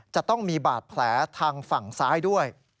จะต้องมีบาดแผลทางฝั่งซ้ายด้วย